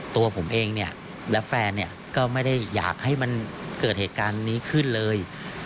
ตัวผมเองเนี่ยและแฟนก็ไม่ได้อยากให้มันเกิดเหตุการณ์นี้ขึ้นเลย